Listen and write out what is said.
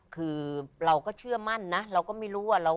คือเราก็เชื่อมั่นนะเราก็ไม่รู้ว่า